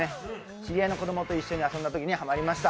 知り合いの子供と一緒に遊んだときにハマりました。